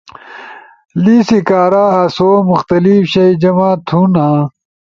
لیسی کارا آسو مخلتف شائی جمع تھونا ۔